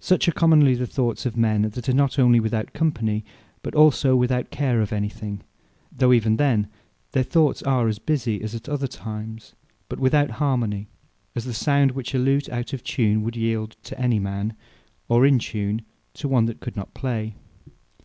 Such are Commonly the thoughts of men, that are not onely without company, but also without care of any thing; though even then their Thoughts are as busie as at other times, but without harmony; as the sound which a Lute out of tune would yeeld to any man; or in tune, to one that could not play.